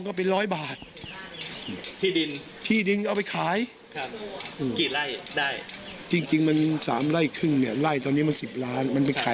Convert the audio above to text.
ก็มันด่าเองว่าเป็น๑๐๐ล้าน